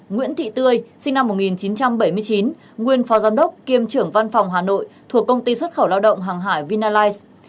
nguyễn thị tươi sinh năm một nghìn chín trăm bảy mươi chín nguyên phó giám đốc kiêm trưởng văn phòng hà nội thuộc công ty xuất khẩu lao động hàng hải vinalize